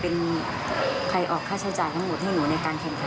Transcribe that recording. เป็นใครออกค่าใช้จ่ายทั้งหมดให้หนูในการแข่งขัน